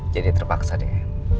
jadi terpaksa deh